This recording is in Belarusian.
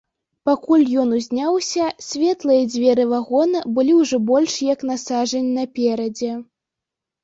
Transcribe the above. Пакуль ён узняўся, светлыя дзверы вагона былі ўжо больш як на сажань наперадзе.